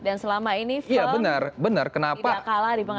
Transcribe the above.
dan selama ini frem tidak kalah di pengadilan